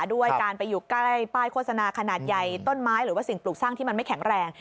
ด้วยการไปอยู่ใกล้ป้ายโฆษณาขนาดใหญ่ต้นไม้หรือว่าสิ่งปลูกสร้างที่มันไม่แข็งแรง